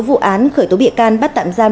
vụ án khởi tố bịa can bắt tạm giam